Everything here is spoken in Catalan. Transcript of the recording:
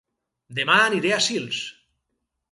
Dema aniré a Sils